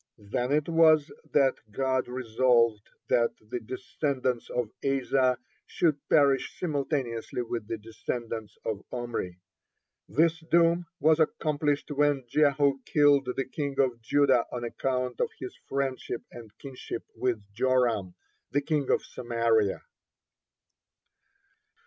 Then it was that God resolved that the descendants of Asa should perish simultaneously with the descendants of Omri. This doom was accomplished when Jehu killed the king of Judah on account of his friendship and kinship with Joram the king of Samaria.